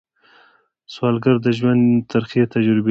سوالګر د ژوند ترخې تجربې لري